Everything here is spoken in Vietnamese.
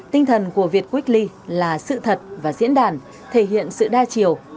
tinh thần của việt weekly là sự thật và diễn đàn thể hiện sự đa chiều